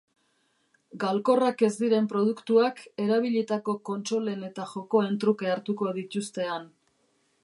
Galkorrak ez diren produktuak erabilitako kontsolen eta jokoen truke hartuko dituzte han.